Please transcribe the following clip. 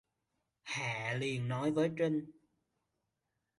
Hạ liền nói với Trinh